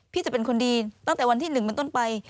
จะเป็นคนดีตั้งแต่วันที่๑เป็นต้นไป